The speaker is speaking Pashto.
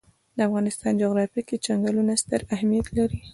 د افغانستان جغرافیه کې چنګلونه ستر اهمیت لري.